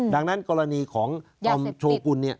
ดังนั้นกรณีของยาเสพติดเนี่ย